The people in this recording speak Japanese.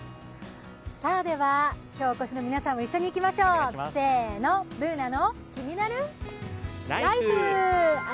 では、今日お越しの皆さんも一緒にいきましょう、せーの、「ＢｏｏｎａのキニナルＬＩＦＥ」。